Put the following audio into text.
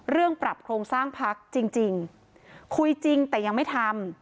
ปรับโครงสร้างพักจริงจริงคุยจริงแต่ยังไม่ทำ